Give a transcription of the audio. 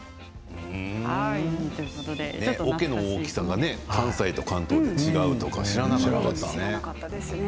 おけの大きさが関西と関東で違うとか知らなかったですね。